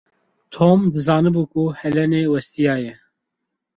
Tom dizanibû ku Helenê westiyaye.